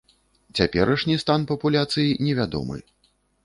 Цяперашні стан папуляцый невядомы.